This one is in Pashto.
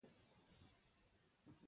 نیلي سیند باندې بیړۍ باندې لیکمه